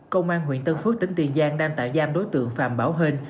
công an huyện tân phước tỉnh tiền giang đang tạm giam đối tượng phạm bảo hên